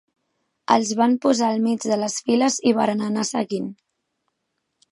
Els van posar al mig de les files i varen anar seguint.